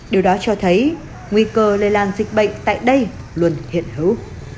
điều đó cho thấy nguy cơ lây lan dịch bệnh tại đây luôn hiện hữu